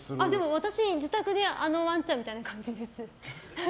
私、自宅であのワンちゃんみたいな感じです。